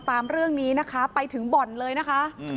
ตามเรื่องนี้นะคะไปถึงบ่อนเลยนะคะ